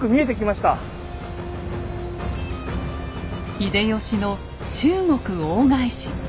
秀吉の中国大返し。